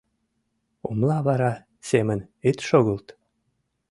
Умла вара семын ит шогылт.